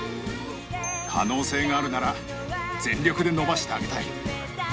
可能性があるなら、全力で伸ばしてあげたい。